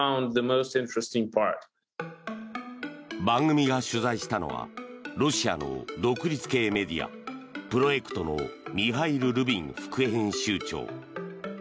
番組が取材したのはロシアの独立系メディアプロエクトのミハイル・ルビン副編集長。